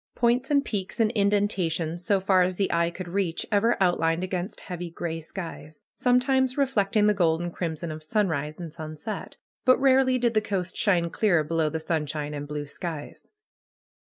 Points and peaks and indentations, so far as the eye could reach, ever outlined against heavy gray skies; sometimes reflecting the gold and crimson of sunrise and sunset. But rarely did the coast shine clear below the sunshine and blue skies.